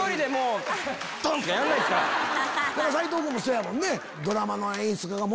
斎藤君もそうやもんね。